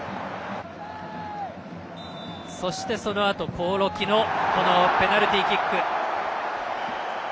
そしてそのあと興梠のペナルティーキック。